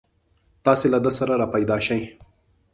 تاسې له ده سره راپیدا شئ.